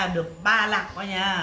được ba lạc